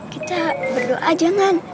kita berdoa jangan